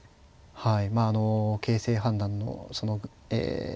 はい。